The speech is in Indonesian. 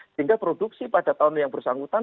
sehingga produksi pada tahun yang bersangkutan